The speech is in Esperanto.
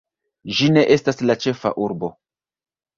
Ĝi ne estas la ĉefa urbo!